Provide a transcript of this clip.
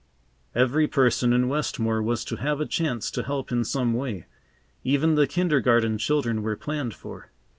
Every person in Westmore was to have a chance to help in some way. Even the kindergarten children were planned for.